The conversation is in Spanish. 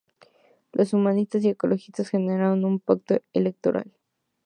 Los humanistas y ecologistas generaron un pacto electoral.